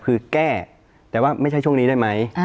คือแก้แต่ว่าไม่ใช่ช่วงนี้ได้ไหม